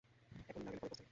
এখনি না গেলে পরে পস্তাবি।